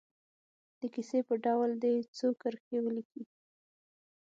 د کیسې په ډول دې څو کرښې ولیکي.